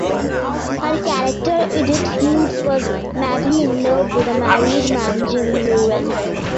Her character, Edith Hughes, was madly in love with a married man, Jim Lowell.